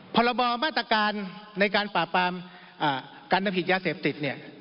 พมการปราบปรามการปราบปิดยาเสพติด